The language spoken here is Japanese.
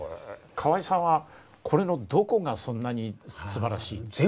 河井さんはこれのどこがそんなにすばらしい美しいと。